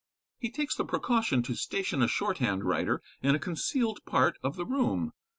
He takes the precaution to station a shorthand writer in a concealed part of the room.